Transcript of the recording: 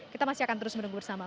kita masih akan terus menunggu bersama